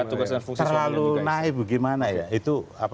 terlalu naib gimana ya itu